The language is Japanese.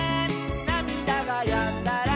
「なみだがやんだら」